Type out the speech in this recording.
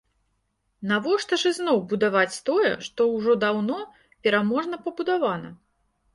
Навошта ж ізноў будаваць тое, што ўжо даўно пераможна пабудавана?